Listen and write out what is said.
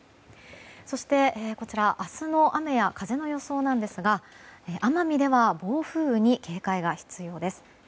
そして、明日の雨や風の予想なんですが奄美では暴風雨に警戒が必要です。